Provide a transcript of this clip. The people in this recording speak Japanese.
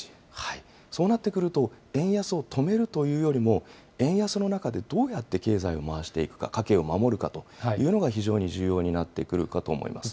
そうなってくると、円安を止めるというよりも、円安の中でどうやって経済を回していくか、家計を守るかというのが、非常に重要になってくるかと思います。